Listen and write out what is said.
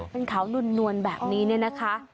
เป็นขาวนวลแบบนี้เนี่ยนะคะ